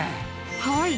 はい！